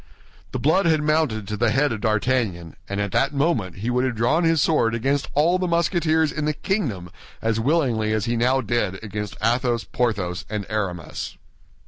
The blood had mounted to the head of D'Artagnan, and at that moment he would have drawn his sword against all the Musketeers in the kingdom as willingly as he now did against Athos, Porthos, and Aramis.